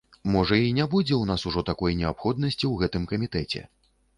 Можа, і не будзе ў нас ўжо такой неабходнасці ў гэтым камітэце.